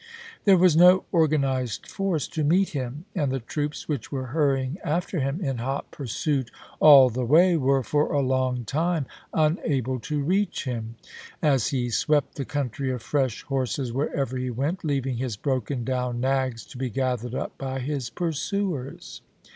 There was no organized force to meet him, and the troops which were hurrying after him in hot pursuit all I THE MAECH TO CHATTANOOGA 55 the way were for a long time unable to reach him, chap. hi. as he swept the country of fresh horses wherever he went, leaving his broken down nags to be gathered up by his pursuers.